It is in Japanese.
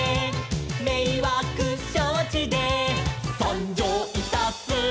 「めいわくしょうちでさんじょういたす」